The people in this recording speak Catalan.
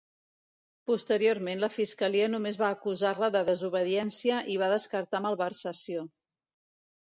Posteriorment la fiscalia només va acusar-la de desobediència i va descartar malversació.